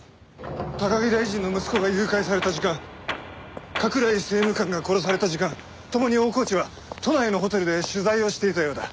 高木大臣の息子が誘拐された時間加倉井政務官が殺された時間共に大河内は都内のホテルで取材をしていたようだ。